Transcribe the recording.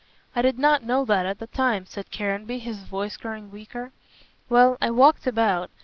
"I did not know that at the time," said Caranby, his voice growing weaker. "Well, I walked about.